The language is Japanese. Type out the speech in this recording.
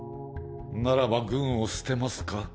ならば軍を捨てますか？